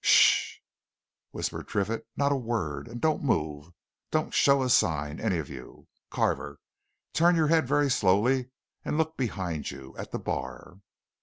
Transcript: "'Sh!" whispered Triffitt. "Not a word! And don't move don't show a sign, any of you. Carver turn your head very slowly and look behind you. At the bar!"